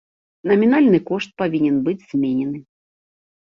Намінальны кошт павінен быць зменены.